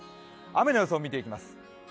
雨の予想を見ていきます。